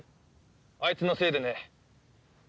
あいつのせいでね。